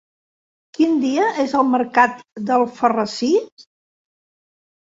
Quin dia és el mercat d'Alfarrasí?